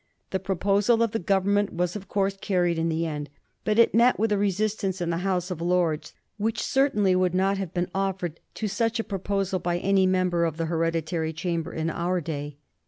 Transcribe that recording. The proposal of the Government was, of course, carried in the end ; but it met with a resistance in the House of Lords which certainly would not have been offered to such a proposal by any member of the hereditary chamber in our day.